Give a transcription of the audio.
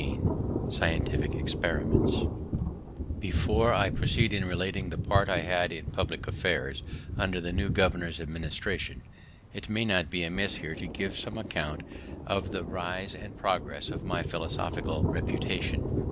XVIII SCIENTIFIC EXPERIMENTS Before I proceed in relating the part I had in public affairs under this new governor's administration, it may not be amiss here to give some account of the rise and progress of my philosophical reputation.